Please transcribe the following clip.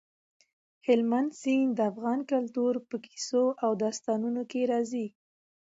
هلمند سیند د افغان کلتور په کیسو او داستانونو کې راځي.